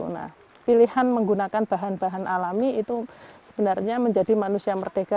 nah pilihan menggunakan bahan bahan alami itu sebenarnya menjadi manusia merdeka